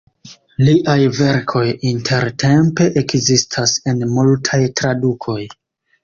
Liaj verkoj intertempe ekzistas en multaj tradukoj.